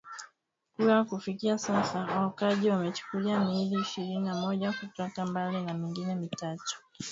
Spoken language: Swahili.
kuwa kufikia sasa waokoaji wamechukua miili ishirini na moja kutoka Mbale na mingine mitatu kutoka Kapchorwa